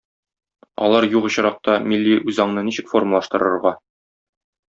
Алар юк очракта милли үзаңны ничек формалаштырырга?